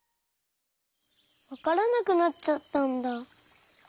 わからなくなっちゃったんだ。